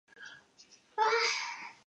裂隐蟹为玉蟹科裂隐蟹属的动物。